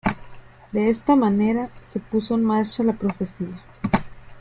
De esta manera, se puso en marcha la profecía.